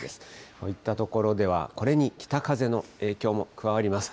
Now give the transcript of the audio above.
といったところでは、これに北風の影響も加わります。